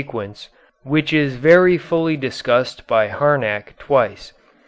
_, which is very fully discussed by Harnack twice.